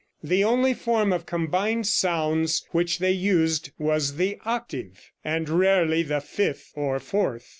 The only form of combined sounds which they used was the octave, and rarely the fifth or fourth.